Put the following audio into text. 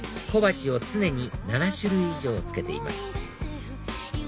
小鉢を常に７種類以上付けています